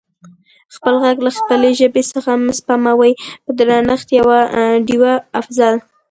خپل غږ له خپلې ژبې څخه مه سپموٸ په درنښت ډیوه افضل🙏